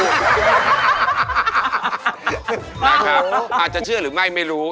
นะครับอาจจะเชื่อหรือไม่ไม่รู้